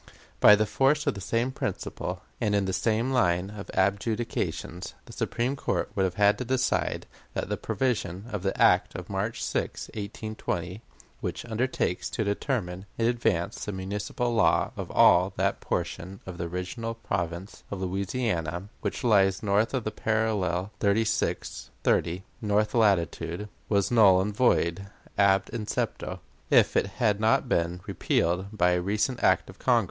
"By the force of the same principle, and in the same line of adjudications, the Supreme Court would have had to decide that the provision of the act of March 6, 1820, which undertakes to determine in advance the municipal law of all that portion of the original province of Louisiana which lies north of the parallel 36° 30' north latitude, was null and void ab incepto, if it had not been repealed by a recent act of Congress.